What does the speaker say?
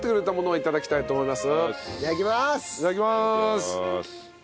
いただきます。